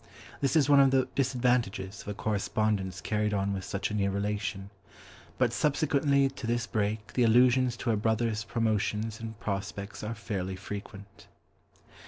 This is one of the disadvantages of a correspondence carried on with such a near relation. But subsequently to this break the allusions to her brothers' promotions and prospects are fairly frequent.